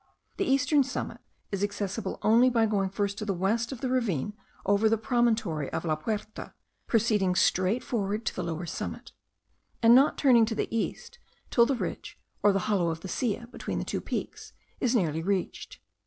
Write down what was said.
The eastern summit is accessible only by going first to the west of the ravine over the promontory of the Puerta, proceeding straight forward to the lower summit; and not turning to the east till the ridge, or the hollow of the Silla between the two peaks, is nearly reached.